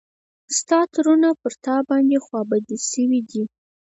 ستا ترونه پر تا باندې خوا بدي شوي دي.